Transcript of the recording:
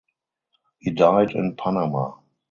He died in Panama.